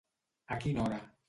A quina hora.